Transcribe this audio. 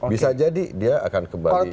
bisa jadi dia akan kembali